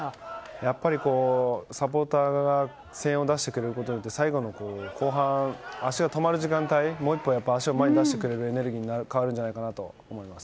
やっぱり、サポーターが声援を出してくれることによって最後の後半、足が止まる時間帯にもう一歩足を前に出してくれるエネルギーに変わるんじゃないかと思います。